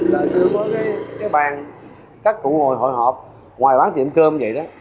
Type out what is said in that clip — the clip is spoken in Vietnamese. lại giờ có cái bàn các cụ ngồi hội hộp ngoài bán tiệm cơm vậy đó